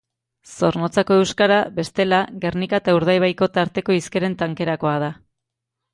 Zornotzako euskara, bestela, Gernika eta Urdaibaiko tarteko hizkeren tankerakoa da.